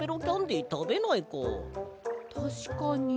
たしかに。